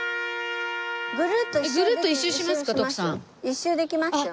１周できますよ。